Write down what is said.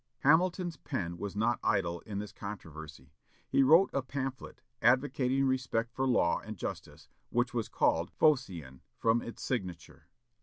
Hamilton's pen was not idle in this controversy. He wrote a pamphlet, advocating respect for law and justice, which was called "Phocion," from its signature.